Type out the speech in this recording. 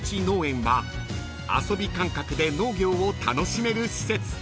［遊び感覚で農業を楽しめる施設］